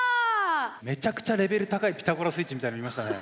めちゃくちゃレベル高い「ピタゴラスイッチ」みたいでしたね。